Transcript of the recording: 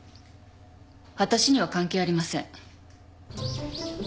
私には関係ありませんなんで？